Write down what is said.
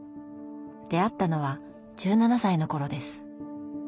出会ったのは１７歳の頃です。